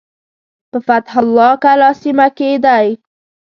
په فتح الله کلا سیمه کې دی.